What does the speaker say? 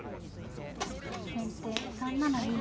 先手３七銀。